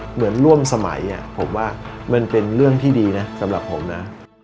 เหมือนร่วมสมัยผมว่ามันเป็นเรื่องที่ดีนะสำหรับผมนะ